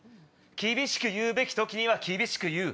厳しく言うべき時には厳しく言う。